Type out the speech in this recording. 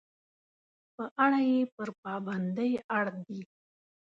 په اړه یې پر پابندۍ اړ دي.